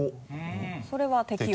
それは適温。